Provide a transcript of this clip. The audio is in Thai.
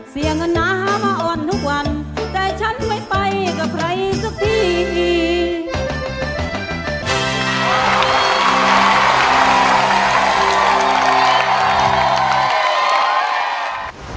เสียเงินหนามาอ่อนทุกวันแต่ฉันไม่ไปกับใครสักที